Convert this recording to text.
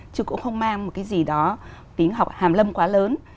chứ cũng không mang một cái gì đó tính học hàm lâm quá lớn